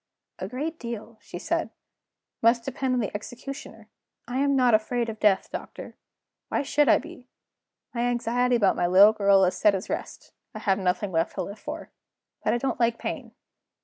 'A great deal,' she said, 'must depend on the executioner. I am not afraid of death, Doctor. Why should I be? My anxiety about my little girl is set at rest; I have nothing left to live for. But I don't like pain.